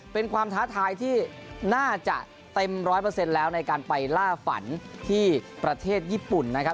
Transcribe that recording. เป็นความท้าทายที่น่าจะเต็มร้อยเปอร์เซ็นต์แล้วในการไปล่าฝันที่ประเทศญี่ปุ่นนะครับ